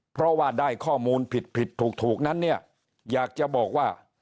เพราะว่าได้ข้อมูลผิดผิดถูกนั้นเนี่ยอยากจะบอกว่า